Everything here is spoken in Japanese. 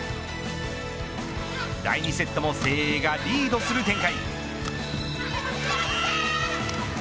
第２セットも誠英がリードする展開。